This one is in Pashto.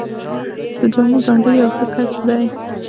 د جامو ګنډل یو ښه کسب دی